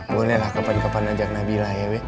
boleh lah kepan kepan ajak nabilah ya be